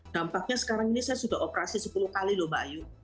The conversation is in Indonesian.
dampaknya sekarang ini saya sudah operasi sepuluh kali loh mbak ayu